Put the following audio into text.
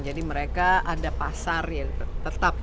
jadi mereka ada pasar tetap